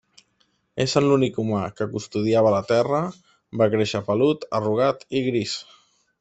Essent l'únic humà que custodiava la terra, va créixer pelut, arrugat i gris.